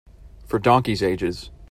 For donkeys' ages.